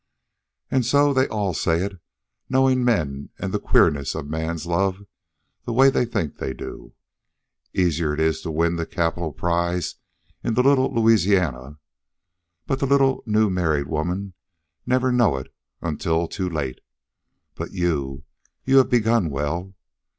And so they all say it, knowing men and the queerness of men's love the way they think they do. Easier it is to win the capital prize in the Little Louisiana, but the little new married women never know it until too late. But you you have begun well.